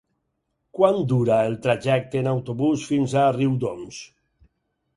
Quant dura el trajecte en autobús fins a Riudoms?